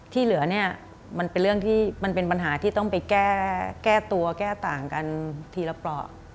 ที่เหลือมันเป็นปัญหาที่ต้องไปแก้ตัวแก้ต่างกันทีละปลอ